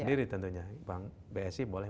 sendiri tentunya bank bsi boleh